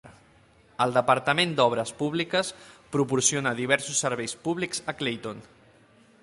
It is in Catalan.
El departament d'obres públiques proporciona diversos serveis públics a Clayton.